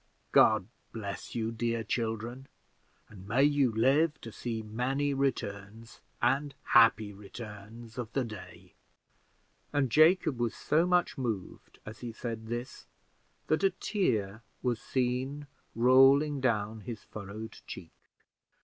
God bless you, dear children, and may you live to see many returns, and happy returns, of the day;" and Jacob was so much moved as he said this, that a tear was seen rolling down his furrowed cheek.